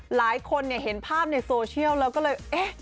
หลายคนเห็นภาพในโซเชียลแล้วก็เลยเอ๊ะ